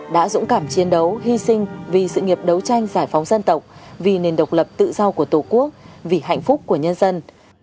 đã dũng cảm chiến đấu hy sinh vì sự nghiệp đấu tranh giải phóng dân tộc vì nền độc lập tự do của tổ quốc vì hạnh phúc của nhân dân